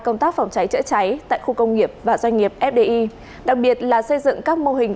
công tác phòng cháy chữa cháy tại khu công nghiệp và doanh nghiệp fdi đặc biệt là xây dựng các mô hình